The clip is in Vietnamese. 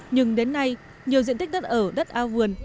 nhưng đến nay nhiều diện tích đất ở đất ao vườn